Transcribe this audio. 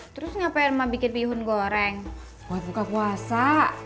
terus ngapain mah bikin bihun goreng buat buka puasa